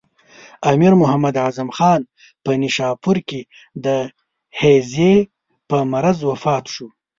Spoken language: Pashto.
امیر محمد اعظم خان په نیشاپور کې د هیضې په مرض وفات شو.